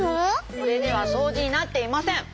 これではそうじになっていません！